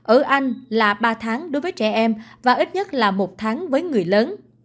ở anh là ba tháng đối với trẻ em và ít nhất là một tháng với người lớn